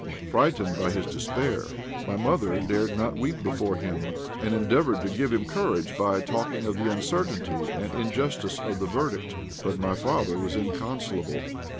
Frightened by his despair, my mother dared not weep before him, and endeavoured to give him courage by talking of the uncertainty and injustice of the verdict. But my father was inconsolable.